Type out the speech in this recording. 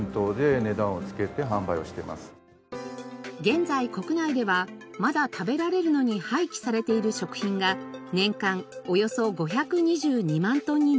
現在国内ではまだ食べられるのに廃棄されている食品が年間およそ５２２万トンに上ります。